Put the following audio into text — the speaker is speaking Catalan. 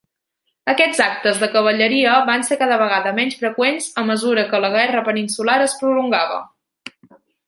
Aquests actes de cavalleria van ser cada vegada menys freqüents a mesura que la Guerra Peninsular es prolongava.